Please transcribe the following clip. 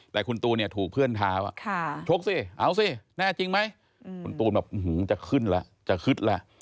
แต่คุณตูนเนี่ยถูกเพื่อนท้าว่าชกสิเอาสิแน่จริงไหมคุณตูนแบบอื้อหือจะขึ้นละจะคึดละ